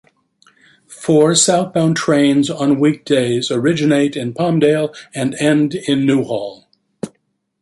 Four southbound trains on weekdays originate in Palmdale and end in Newhall.